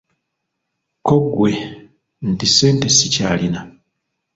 Ko ggwe nti Ssente sikyalina.